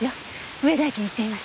上田駅に行ってみましょう。